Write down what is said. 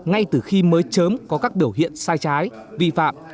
ngay từ khi mới chớm có các biểu hiện sai trái vi phạm